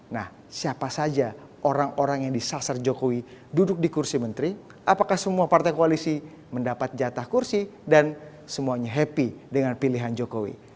nah siapa saja orang orang yang disasar jokowi duduk di kursi menteri apakah semua partai koalisi mendapat jatah kursi dan semuanya happy dengan pilihan jokowi